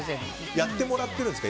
やってもらってるんですか？